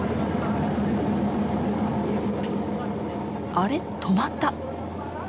あれ止まった。